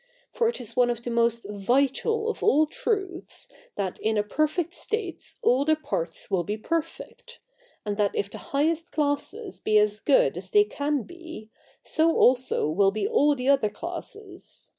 For it is one of the most vital of all truths, that in a perfect state all the parts will be perfect ; and that if the highest classes be as good as they can be, so also will be ail the other classes.